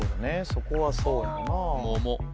そこはそうやろな「桃」